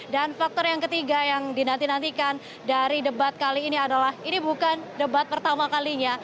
dan faktor yang ketiga yang dinantikan dari debat kali ini adalah ini bukan debat pertama kalinya